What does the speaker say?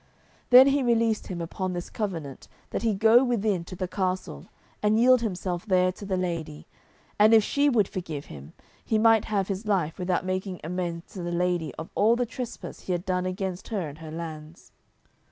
Then he released him upon this covenant that he go within to the castle and yield himself there to the lady, and if she would forgive him he might have his life with making amends to the lady of all the trespass he had done against her and her lands.